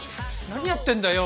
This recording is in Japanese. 何やってんだよ。